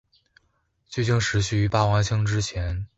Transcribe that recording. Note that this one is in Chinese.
剧情时序于霸王枪之前。